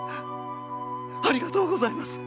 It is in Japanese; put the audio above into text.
ありがとうございます